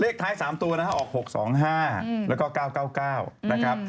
ท้าย๓ตัวนะครับออก๖๒๕แล้วก็๙๙๙นะครับ